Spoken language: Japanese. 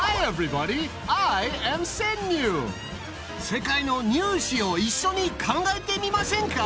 世界の入試を一緒に考えてみませんか？